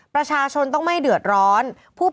ประชาชนต้องไม่เดือดร้อน